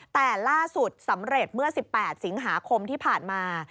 แต่ล่าสุดสำเร็จเมื่อ๑๘สิงหาคมที่ผ่านมา